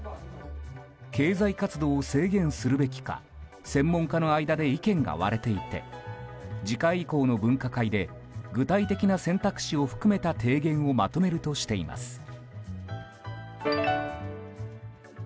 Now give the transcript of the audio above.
経済活動を制限するべきか専門家の間で意見が割れていて次回以降の分科会で具体的な選択肢を含めた提言をまとめるとしています。